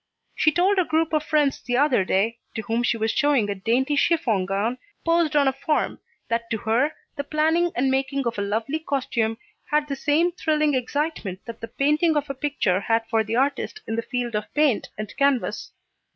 She told a group of friends the other day, to whom she was showing a dainty chiffon gown, posed on a form, that to her, the planning and making of a lovely costume had the same thrilling excitement that the painting of a picture had for the artist in the field of paint and canvas.